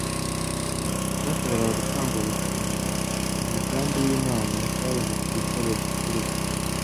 Icyashoboraga gutanga ubugingo, mu migambi y'Imana cyahindutse igikoresho cy'urupfu.